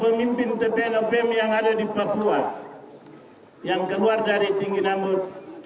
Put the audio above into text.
pemimpin pemimpin tpn opm yang ada di papua yang keluar dari tinggi nambut